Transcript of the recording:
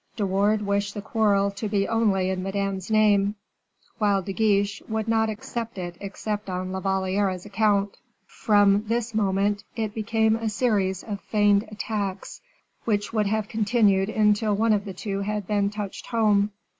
De Wardes wished the quarrel to be only in Madame's name, while De Guiche would not accept it except on La Valliere's account. From this moment, it became a series of feigned attacks, which would have continued until one of the two had been touched home.